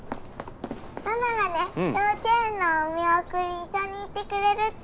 ママがね幼稚園のお見送り一緒に行ってくれるって。